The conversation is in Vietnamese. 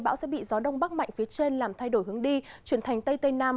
bão sẽ bị gió đông bắc mạnh phía trên làm thay đổi hướng đi chuyển thành tây tây nam